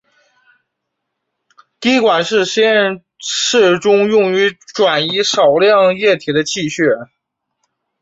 滴管是实验室中用于转移少量液体的器皿。